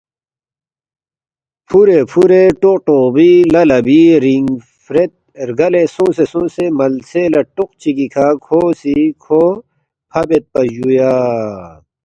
فُورے فُورے ٹوق ٹوقبی لہ لبی رِینگ فرید رگلے سونگسے سونگسے ملسے لہ ٹوق چگی کھہ کھو سی کھو فَبیدپا جُویا